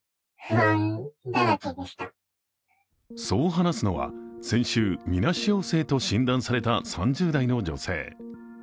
そう話すのは先週、みなし陽性と診断された３０代の女性。